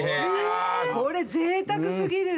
これぜいたく過ぎる。